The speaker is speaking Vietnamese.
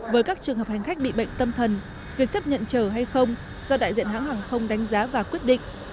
với các trường hợp hành khách bị bệnh tâm thần việc chấp nhận chở hay không do đại diện hãng hàng không đánh giá và quyết định